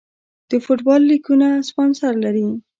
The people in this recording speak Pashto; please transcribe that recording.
د فوټبال لیګونه سپانسر لري